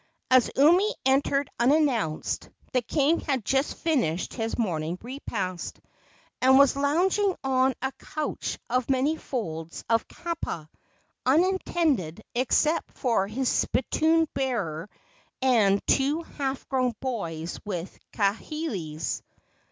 As Umi entered unannounced, the king had just finished his morning repast, and was lounging on a couch of many folds of kapa, unattended except by his spittoon bearer and two half grown boys with kahilis.